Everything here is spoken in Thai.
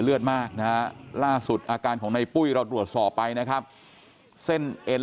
เลือดมากนะฮะล่าสุดอาการของในปุ้ยเราตรวจสอบไปนะครับเส้นเอ็น